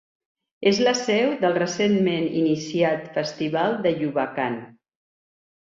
És la seu del recentment iniciat festival de Yubakan.